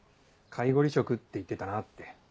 介護離職って言ってたなって。